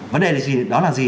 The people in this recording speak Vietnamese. vấn đề đó là gì